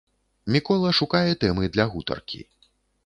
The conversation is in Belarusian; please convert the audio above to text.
Мікола шукае тэмы для гутаркі.